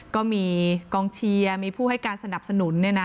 ก็มีกองเชียร์มีผู้ให้การสนับสนุน